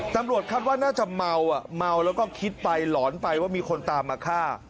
ตำรวจครับว่าน่าจะเมาแล้วก็คิดไปหลอนไปว่ามีคนตามมาฆ่า